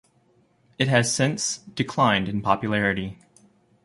It has since declined in popularity.